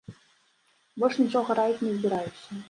Больш нічога раіць не збіраюся.